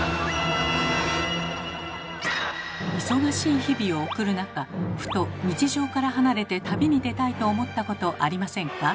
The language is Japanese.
忙しい日々を送る中ふと「日常から離れて旅に出たい」と思ったことありませんか？